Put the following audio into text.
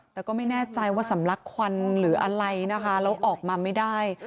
แต่ก็ไม่แน่ใจว่าสำลักควันหรืออะไรนะคะแล้วออกมาไม่ได้